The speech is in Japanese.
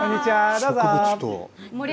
どうぞ。